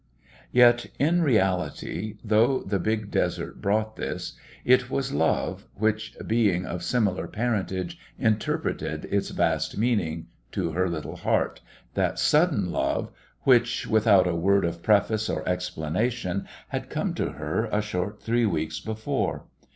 Yet in reality, though the big desert brought this, it was Love, which, being of similar parentage, interpreted its vast meaning to her little heart that sudden love which, without a word of preface or explanation, had come to her a short three weeks before....